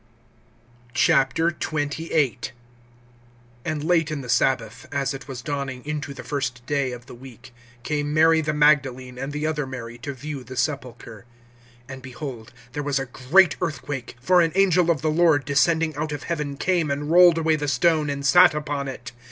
XXVIII. AND late in the sabbath, as it was dawning into the first day of the week, came Mary the Magdalene and the other Mary to view the sepulchre. (2)And behold, there was a great earthquake. For an angel of the Lord, descending out of heaven, came and rolled away the stone, and sat upon it.